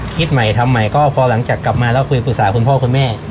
คิดใหม่ทำใหม่ก็พอหลังจากกลับมาแล้วคุยปรึกษาคุณพ่อคุณแม่